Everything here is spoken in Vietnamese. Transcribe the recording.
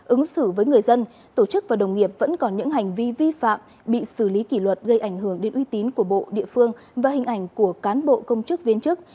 ứng xử với người dân tổ chức và đồng nghiệp vẫn còn những hành vi vi phạm bị xử lý kỷ luật gây ảnh hưởng đến uy tín của bộ địa phương và hình ảnh của cán bộ công chức viên chức